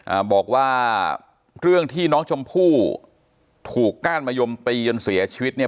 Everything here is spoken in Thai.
อ่าบอกว่าเรื่องที่น้องชมพู่ถูกก้านมะยมตีจนเสียชีวิตเนี่ย